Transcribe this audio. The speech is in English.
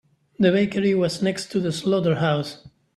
The bakery was next to the slaughterhouse.